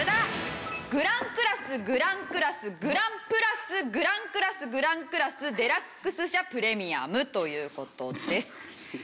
「グランクラス」「グランクラス」「グランプラス」「グランクラス」「グランクラス」「デラックス車」「プレミアム」という事です。